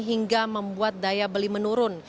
hingga membuat daya beli menurun